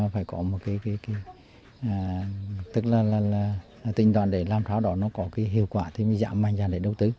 phải có một cái tính đoàn để làm sao đó nó có cái hiệu quả thì giảm mạnh ra để đầu tư